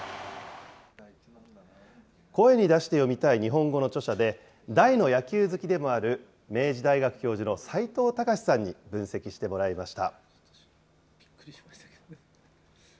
声に出して読みたい日本語の著者で、大の野球好きでもある明治大学教授の齋藤孝さんに分析してもらいました。